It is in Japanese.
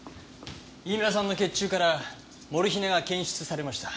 飯村さんの血中からモルヒネが検出されました。